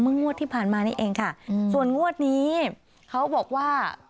งวดที่ผ่านมานี่เองค่ะส่วนงวดนี้เขาบอกว่า